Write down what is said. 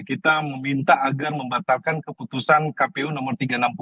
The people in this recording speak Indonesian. kita meminta agar membatalkan keputusan kpu nomor tiga ratus enam puluh